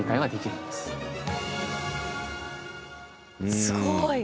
すごい。